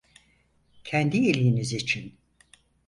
Kendi iyiliğiniz için.